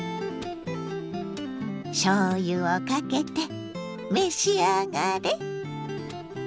しょうゆをかけて召し上がれ！